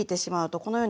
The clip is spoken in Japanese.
このように。